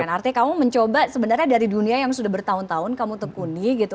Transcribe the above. artinya kamu mencoba sebenarnya dari dunia yang sudah bertahun tahun kamu tekuni gitu